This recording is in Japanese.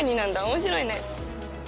面白いね。